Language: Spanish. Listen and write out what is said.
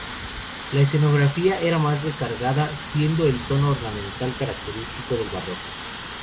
La escenografía era más recargada, siguiendo el tono ornamental característico del Barroco.